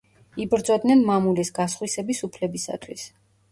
იბრძოდნენ მამულის გასხვისების უფლებისათვის.